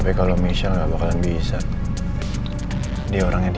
pak pak jalan aja pas sekarang pak